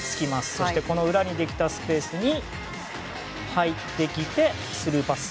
そして、裏にできたスペースに入ってきて、スルーパス。